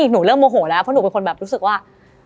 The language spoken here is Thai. หนูเริ่มโมโหแล้วเพราะหนูเป็นคนแบบรู้สึกว่า